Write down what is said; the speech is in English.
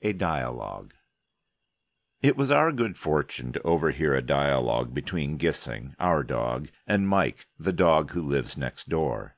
A DIALOGUE It was our good fortune to overhear a dialogue between Gissing (our dog) and Mike, the dog who lives next door.